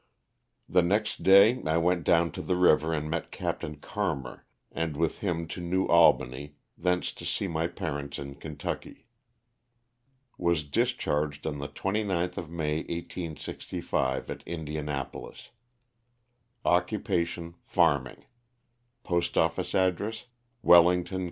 The next day I went down to the river and met Capt. Oarmer and with him to New Albany, thence to see my parents in Kentucky. Was discharged on the 29th of May, 1865, at Indian apolis. Occupation, farming. Postoffice address, Welling ton.